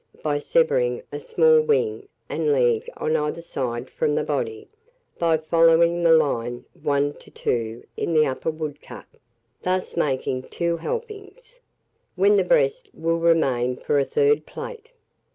by severing a small wing and leg on either side from the body, by following the line 1 to 2 in the upper woodcut; thus making 2 helpings, when the breast will remain for a third plate.